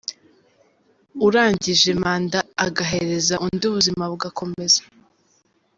Urangihje manda agahereza undi ubuzima bugakomeza.